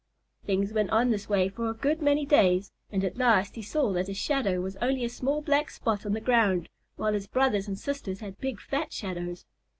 Things went on this way for a good many days, and at last he saw that his shadow was only a small black spot on the ground, while his brothers and sisters had big fat shadows.